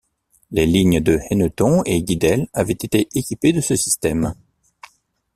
Les lignes de Hennebont et Guidel avaient été équipées de ce système.